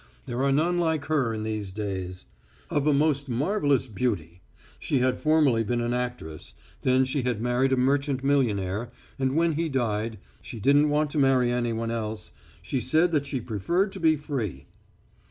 There are none like her in these days. Of a most marvellous beauty.... She had formerly been an actress, then she had married a merchant millionaire, and when he died she didn't want to marry anyone else she said that she preferred to be free.